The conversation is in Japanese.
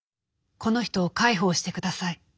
「『この人を介抱してください。